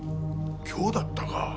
今日だったか。